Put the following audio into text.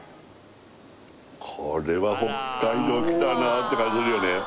これは北海道来たなって感じするよね